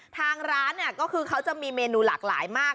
ทางร้านเนี่ยมีเมนูหลากหลายมาก